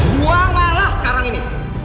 gue ngalah sekarang ini